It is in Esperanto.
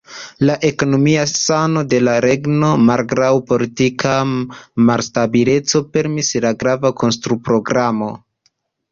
La ekonomia sano de la regno, malgraŭ politika malstabileco, permesis grava konstru-programo.